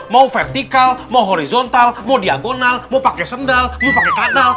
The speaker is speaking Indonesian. mau vertical mau horizontal mau diagonal mau pake sendal mau pake kanal